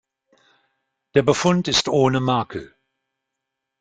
Der Befund ist ohne Makel.